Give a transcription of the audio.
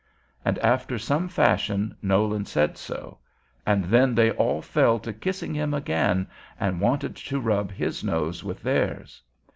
And after some fashion Nolan said so. And then they all fell to kissing him again, and wanted to rub his nose with theirs.